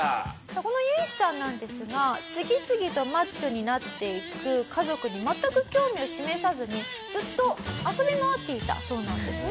このユウシさんなんですが次々とマッチョになっていく家族に全く興味を示さずにずっと遊び回っていたそうなんですね。